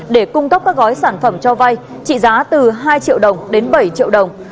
để cung cấp các gói sản phẩm cho vay trị giá từ hai triệu đồng đến bảy triệu đồng